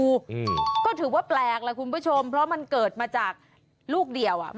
อืมก็ถือว่าแปลกแหละคุณผู้ชมเพราะมันเกิดมาจากลูกเดียวอ่ะ